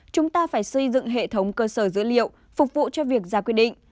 chúng ta phải xây dựng hệ thống cơ sở dữ liệu phục vụ cho việc ra quy định